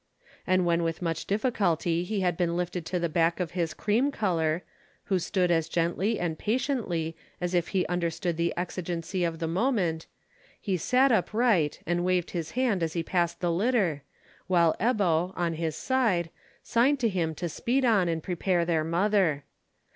And when with much difficulty he had been lifted to the back of his cream colour, who stood as gently and patiently as if he understood the exigency of the moment, he sat upright, and waved his hand as he passed the litter, while Ebbo, on his side, signed to him to speed on and prepare their mother.